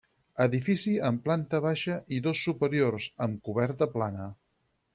Edifici amb planta baixa i dos superiors, amb coberta plana.